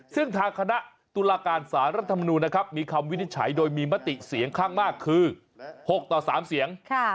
ซึ่งทางคณะตุลาการสารรัฐมนูลนะครับมีคำวินิจฉัยโดยมีมติเสียงข้างมากคือ๖ต่อ๓เสียง